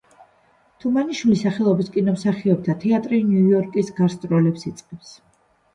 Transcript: თუმანიშვილის სახელობის კონომსახიობთა თეატრი ნიუ-იორკში გასტროლებს იწყებს.